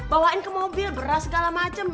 bawain ke mobil beras segala macam